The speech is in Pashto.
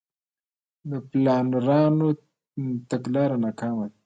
د پلانرانو تګلاره ناکامه ده.